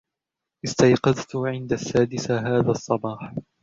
استيقظت عند السادسة هذا الصباح.